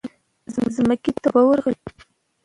ځمکې ته اوبه ورغلې.